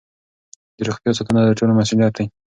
د روغتیا ساتنه د ټولو مسؤلیت دی.